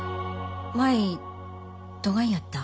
舞どがんやった？